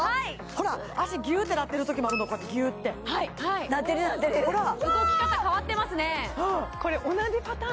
ほら足ギューッてなってる時もあるのギューッてなってるなってる動き方変わってますね